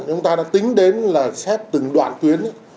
chúng ta đã tính đến là xét từng đoạn tuyến